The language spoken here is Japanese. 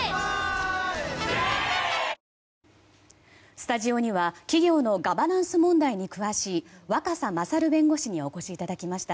スタジオには企業のガバナンス問題に詳しい若狭勝弁護士にお越しいただきました。